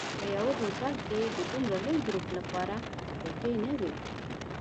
په یوه هوټل کې د دومره لوی ګروپ لپاره کوټې نه وې.